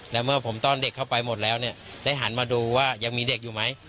แล้วเมื่อผมต้อนเด็กเข้าไปหมดแล้วเนี่ยได้หันมาดูว่ายังมีเด็กอยู่ไหม